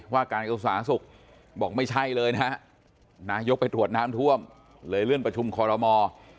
ว่าการอุตส่าห์สุขบอกไม่ใช่เลยนะยกไปตรวจน้ำท่วมเลยเลื่อนประชุมคอลโลมอล์